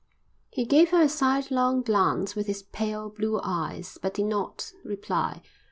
He gave her a sidelong glance with his pale, blue eyes, but did not reply.